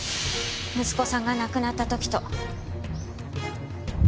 息子さんが亡くなった時と。